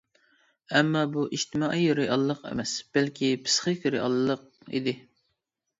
ئەمما بۇ ئىجتىمائىي رېئاللىق ئەمەس بەلكى پىسخىك رېئاللىق ئىدى.